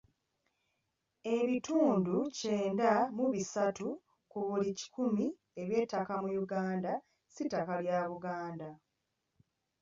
Ebitundu kyenda mu bisatu ku buli kikumi eby'ettaka mu Uganda si ttaka lya Buganda.